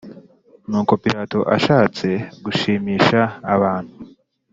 Nuko Pilato ashatse gushimisha abantu